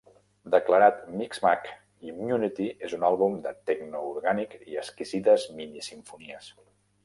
Declarat "MixMag", "Immunity" és un àlbum de tecno orgànic i exquisides mini-simfonies.